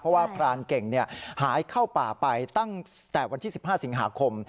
เพราะว่าพรานเก่งหายเข้าป่าไปตั้งแต่วันที่๑๕สิงหาคม